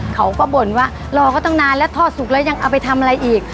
บ่นว่ารอก็ตั้งนานแล้วทอดสุกแล้วยังเอาไปทำอะไรอีก